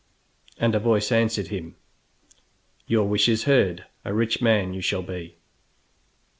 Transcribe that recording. ] And a voice answered him: "Your wish is heard; a rich man you shall be!"